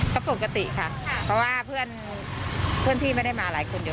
เพราะว่าเพื่อนพี่ไม่ได้มาหลายคนอยู่